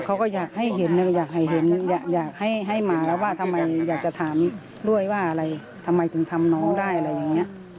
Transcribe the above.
เขาก็อยากให้เห็นอยากให้เห็นอยากให้มาแล้วว่าทำไมอยากจะถามด้วยว่าอะไรทำไมถึงทำน้องได้อะไรอย่างนี้